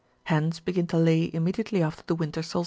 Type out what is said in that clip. Hens begin to lay immediately after the winter solstice.